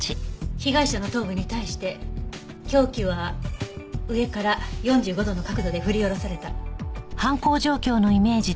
被害者の頭部に対して凶器は上から４５度の角度で振り下ろされた。